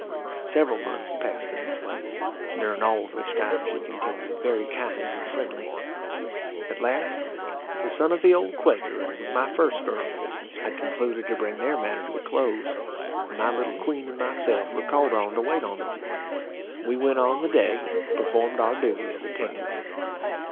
Several months passed in this way, during all of which time she continued very kind and friendly. At last, the son of the old Quaker and my first girl had concluded to bring their matter to a close, and my little queen and myself were called on to wait on them. We went on the day, and performed our duty as attendants.